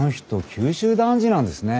九州男児なんですね。